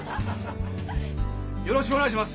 よろしくお願いします！